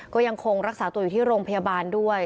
ก็ยังคงรักษาตัวอยู่ที่โรงพยาบาลด้วย